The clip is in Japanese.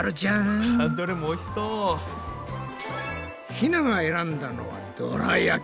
ひなが選んだのはどら焼き。